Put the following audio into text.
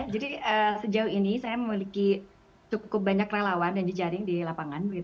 jadi sejauh ini saya memiliki cukup banyak relawan dan jejaring di lapangan